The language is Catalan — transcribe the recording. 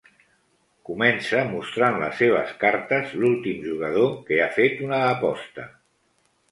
Comença mostrant les seves cartes l'últim jugador que ha fet una aposta.